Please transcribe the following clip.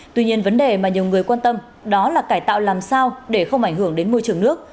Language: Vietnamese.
tuy nhiên vấn đề mà nhiều người quan tâm đó là cải tạo làm sao để không ảnh hưởng đến môi trường nước